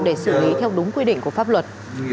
để xử lý theo đúng quy định của pháp luật